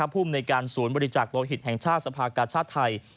ภูมิในการศูนย์บริจักษ์โลหิตแห่งชาติสภากาชาติไทย